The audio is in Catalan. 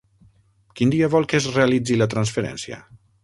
Quin dia vol que es realitzi la transferència?